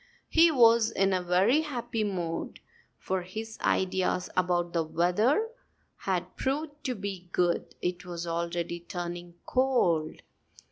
He was in a very happy mood; for his ideas about the weather had proved to be good. It was already turning cold.